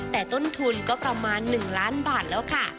แต่ต้นทุนก็ประมาณ๑ล้านบาทแล้วค่ะ